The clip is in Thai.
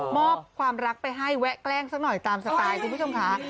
ความรักไปให้แวะแกล้งสักหน่อยตามสไตล์คุณผู้ชมค่ะ